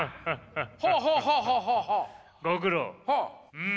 うん。